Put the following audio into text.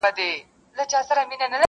د غمازانو مخ به تور وو اوس به وي او کنه!.